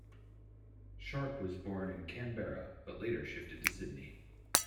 Sharpe was born in Canberra, but later shifted to Sydney.